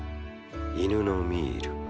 犬のミール。